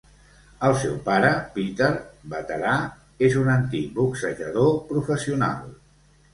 El seu pare Peter, veterà, és un antic boxejador professional.